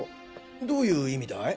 どういう意味だい？